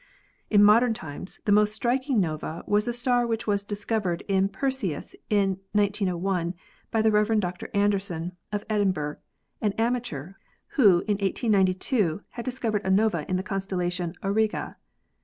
In modern times the most striking nova was a star which was discovered in Perseus in 1901 by the Rev. Dr. Anderson, of Edinburgh, an amateur, who in 1892 had discovered a nova in the constellation Auriga.